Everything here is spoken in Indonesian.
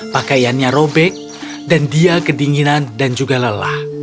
pakaiannya robek dan dia kedinginan dan juga lelah